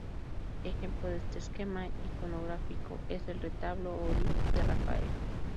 Ejemplo de este esquema iconográfico es el "Retablo Oddi" de Rafael.